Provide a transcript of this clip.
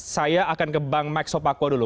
saya akan ke bang max sopako dulu